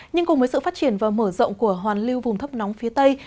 nhưng cùng với sự phát triển và mở rộng của hoàn lưu vùng thấp nóng phía tây